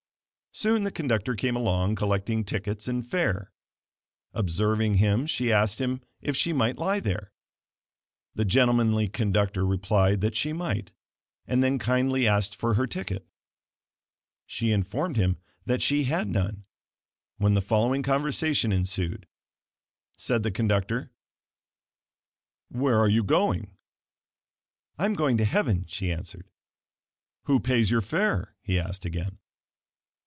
Soon the conductor came along collecting tickets and fare. Observing him she asked him if she might lie there. The gentlemanly conductor replied that she might, and then kindly asked for her ticket. She informed him that she had none, when the following conversation ensued. Said the conductor: "Where are you going?" "I am going to heaven," she answered. "Who pays your fare?" he asked again.